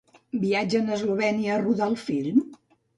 Viatgen a Eslovènia a rodar el film?